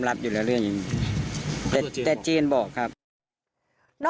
ให้โครงของตัวจรวดไป